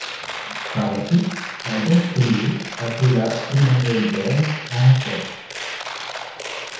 Par la suite, Albert Crémieux appela Emmanuel Berl en renfort.